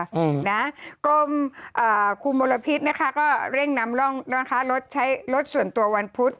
อ๋อไหมล่ะนะกรมคุมมลพิษนะคะก็เร่งนำรถใช้รถส่วนตัววันพุธ